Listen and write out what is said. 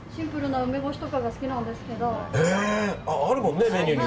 あるもんね、メニューに。